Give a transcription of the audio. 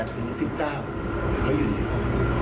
๑๘ถึง๑๙เขาอยู่ไหนครับ